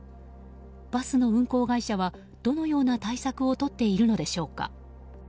バスの運行会社はどのような対策をとっているのでしょうか。